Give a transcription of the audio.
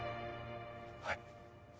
はい。